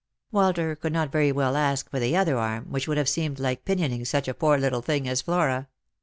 Walter could not very well ask for the other arm, which would have seemed like pinioning such a poor little thing as Flora.